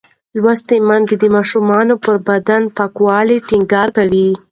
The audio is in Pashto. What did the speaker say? لوستې میندې د ماشوم پر بدن پاکوالی ټینګار کوي.